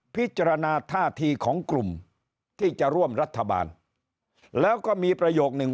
พิจารณาท่าทีของกลุ่มที่จะร่วมรัฐบาลแล้วก็มีประโยคนึง